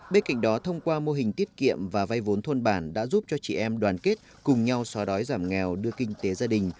bên cạnh đó thông qua mô hình tiết kiệm và vay vốn thôn bản đã giúp cho chị em đoàn kết cùng nhau xóa đói giảm nghèo đưa kinh tế gia đình